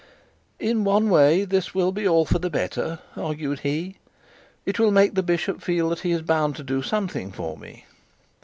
'In one way this will be for the better,' argued he. 'It will make the bishop feel that he is bound to do something for me.'